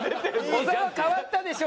「小沢変わったでしょ？」